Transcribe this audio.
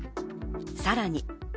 さらに。